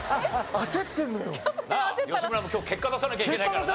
吉村も今日結果出さなきゃいけないからな。